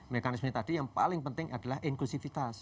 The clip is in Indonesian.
mekanisme tadi yang paling penting adalah inklusivitas